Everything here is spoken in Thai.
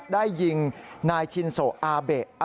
ได้ยิงนายชินโซอาเบะ